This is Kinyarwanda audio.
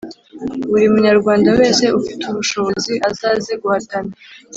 Buri munyarwanda wese ufite ubushobozi azaze guhatana